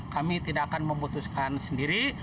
kami tidak akan memutuskan sendiri